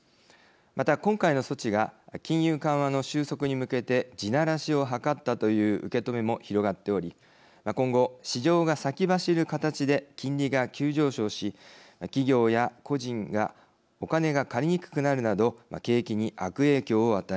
また今回の措置が金融緩和の収束に向けて地ならしを図ったという受け止めも広がっており今後市場が先走る形で金利が急上昇し企業や個人がお金が借りにくくなるなど景気に悪影響を与える。